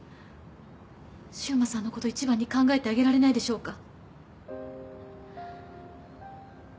柊磨さんのこと一番に考えてあげられないでしょうか？